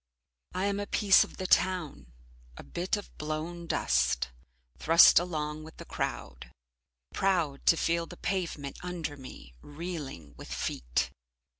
I am a piece of the town, a bit of blown dust, thrust along with the crowd. Proud to feel the pavement under me, reeling with feet.